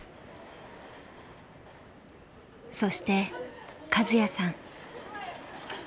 そしてカズヤさん。